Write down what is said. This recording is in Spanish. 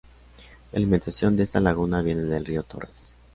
La alimentación de esta laguna viene del río Torres.